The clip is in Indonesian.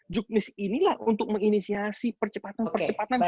juknis inilah untuk menginisiasi percepatan percepatan